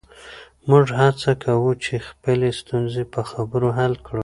موږ هڅه کوو چې خپلې ستونزې په خبرو حل کړو.